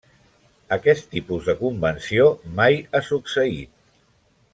Aquest tipus de convenció mai ha succeït.